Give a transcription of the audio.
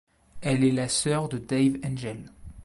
Elle est la sœur de Dave Angel.